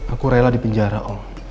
aku rela di penjara oh